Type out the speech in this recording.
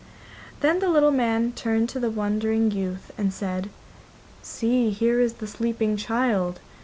Then the little man turned to the wondering youth and said: 'See, here is the sleeping child!